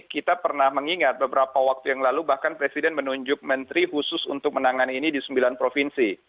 kita pernah mengingat beberapa waktu yang lalu bahkan presiden menunjuk menteri khusus untuk menangani ini di sembilan provinsi